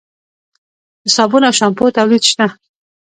د صابون او شامپو تولید شته؟